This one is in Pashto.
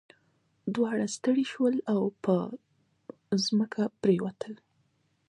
دواړه ستړي شول او په ځمکه پریوتل.